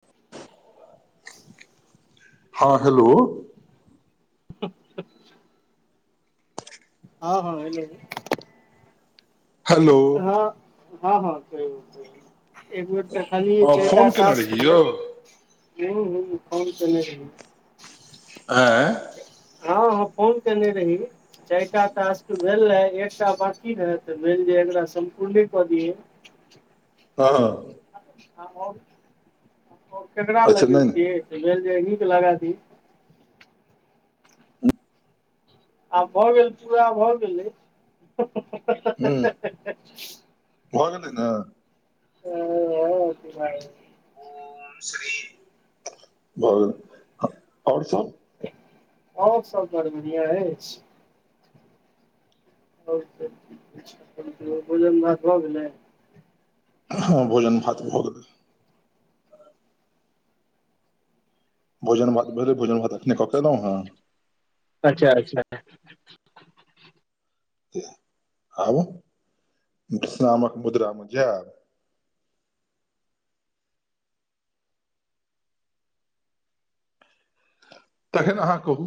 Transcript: [inaudible] हां हेलो। हां-हां hello. Hello हां, हां-हां कहियो। एक बेर देखलिये हँ चाएरटा फोन केने टास्क रही यौ भेल हुं-हुं फोन केने रही। आँ। हां-हां फोन केने रही। चाएरटा टास्क भेल रहै, एकटा बाकी रहै तऽ भेल जे एकरा सम्पूर्णे कऽ दिये। हां-हां। और ककरा अच्छा नहि लगेतिये नहि त भेल जे अहीँ के लगा दी। आब भऽ गेल पुरा भऽ गेलै। हूँ भऽ गेलै ने। ते हां [unintelligible] भऽ गेल और सब और सब बड़ बढ़ियाँ एछ। [unintelligible] भोजन भात भऽ गेलै। हां भोजन भात भऽ गेलै। भोजन-भात भेलै, भोजन-भात अखने कऽ के एलौ हें। अच्छा-अच्छा। ऊंह आब विश्रामक मुद्रा मे जाएब तखैन अहाँ कहु।